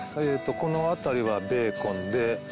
この辺りはベーコンで。